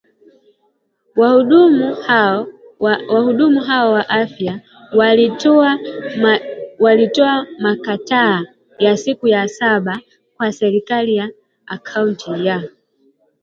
Wahudumu hao wa afya walitoa makataa ya siku saba kwa serikali ya kaunti ya